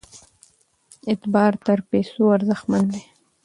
اعتبار تر پیسو ارزښتمن دی.